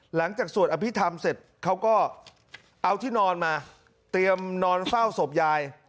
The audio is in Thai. สวดอภิษฐรรมเสร็จเขาก็เอาที่นอนมาเตรียมนอนเฝ้าศพยาย